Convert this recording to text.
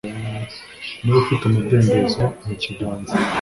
Niba ufite umudendezo mpa ikiganza